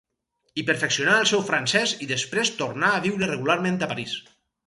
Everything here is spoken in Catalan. Hi perfeccionà el seu francès i després tornà a viure regularment a París.